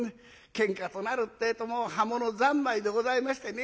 ケンカとなるってえともう刃物三昧でございましてね